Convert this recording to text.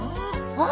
あっ！